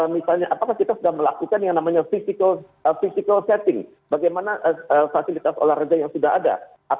misalnya apakah kita sudah melakukan yang namanya physical setting bagaimana fasilitas olahraga yang sudah ada